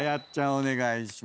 お願いします。